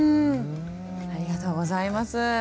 ありがとうございます。